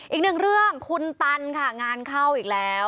อีกหนึ่งเรื่องคุณตันค่ะงานเข้าอีกแล้ว